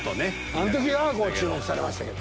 あの時は注目されましたけど。